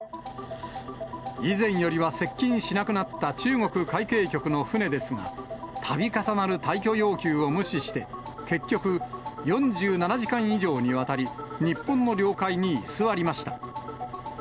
以前よりは接近しなくなった中国海警局の船ですが、たび重なる退去要求を無視して結局、４７時間以上にわたり、日本の領海に居座りました。